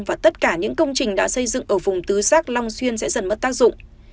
và tất cả những công trình đã xây dựng ở vùng tứ giác long xuyên sẽ dần mất tác dụng